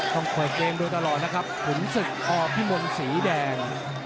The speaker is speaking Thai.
ต้องเปิดเกมโดยตลอดนะครับขุนศึกอพิมลสีแดง